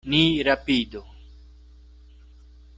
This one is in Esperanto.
Ni rapidu.